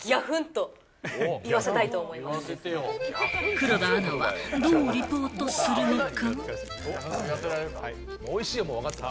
黒田アナはどうリポートするのか？